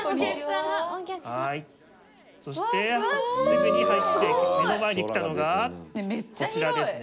そしてすぐに入って目の前に来たのがこちらですね。